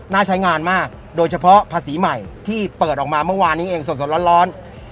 ใช้งานมากโดยเฉพาะภาษีใหม่ที่เปิดออกมาเมื่อวานนี้เองสดร้อน